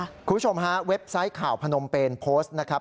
คุณผู้ชมฮะเว็บไซต์ข่าวพนมเปนโพสต์นะครับ